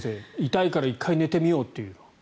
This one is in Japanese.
痛いから１回寝てみようっていう。